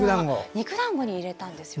肉だんごに入れたんですよね。